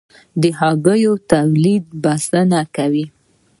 د هګیو تولیدات بسنه کوي؟